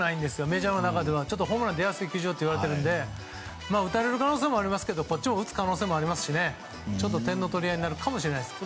メジャーの中ではホームランが出やすい球場といわれているので打たれる可能性もありますがこっちも打つ可能性ありますし点の取り合いになるかもしれないです。